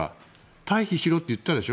退避しろって言ったでしょ？